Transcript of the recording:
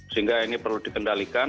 sehingga ini perlu dikendalikan